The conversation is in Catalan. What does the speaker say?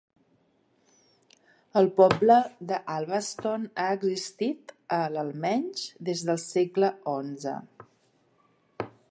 El poble de Alvaston ha existit a l'almenys des del segle XI.